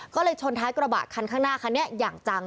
ก็เลยชนท้ายกระบะคันข้างหน้าคันนี้อย่างจัง